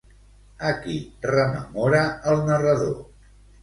A qui rememora el narrador?